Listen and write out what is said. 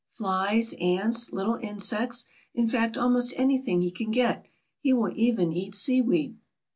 "Flies, ants, little insects, in fact, almost anything he can get. He will even eat sea weed."